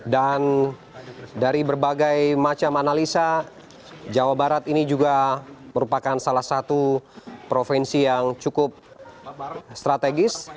dan dari berbagai macam analisa jawa barat ini juga merupakan salah satu provinsi yang cukup strategis